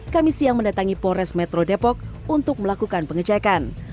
kami siang mendatangi polres metro depok untuk melakukan pengecekan